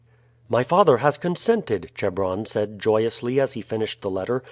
"My father has consented," Chebron said joyously as he finished the letter.